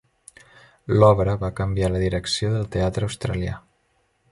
L'obra va canviar la direcció del teatre australià.